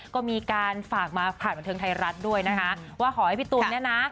ก็มีการฝากมาผ่านบันเทิงไทยรัฐด้วยนะคะว่าขอให้พี่ตูนเนี่ยนะ